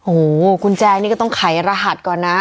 โหกุญแจนี่ก็ต้องขายรหัสก่อนนะ